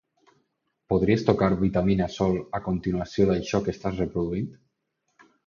Podries tocar "Vitamina sol" a continuació d'això que estàs reproduint?